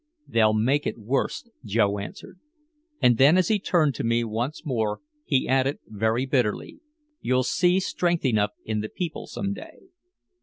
"They'll make it worse," Joe answered. And then as he turned to me once more he added very bitterly, "You'll see strength enough in the people some day."